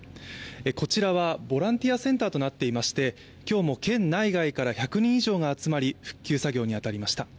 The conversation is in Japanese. こちらはボランティアセンターとなってまして今日も県内外から１００人以上が集まり、復旧作業に当たりました。